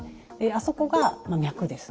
あそこが脈です。